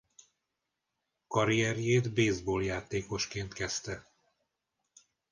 Karrierjét baseballjátékosként kezdte.